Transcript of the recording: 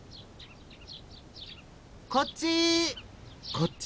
こっち！